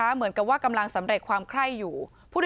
เหมือนกับว่ากำลังสำเร็จความไข้อยู่